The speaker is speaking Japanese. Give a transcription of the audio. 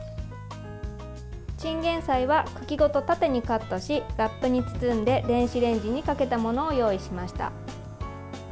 チンゲンサイは茎ごと縦にカットしラップに包んで電子レンジにかけたものを用意しました。